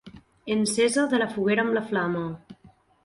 Encesa de la foguera amb la flama.